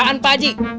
wawancara apaan pak ji